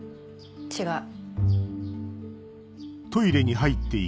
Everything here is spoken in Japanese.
違う。